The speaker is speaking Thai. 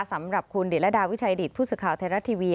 สำหรับคุณดิรดาวิชัยดิตผู้สื่อข่าวไทยรัฐทีวี